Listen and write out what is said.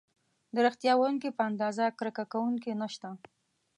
د ریښتیا ویونکي په اندازه کرکه کوونکي نشته.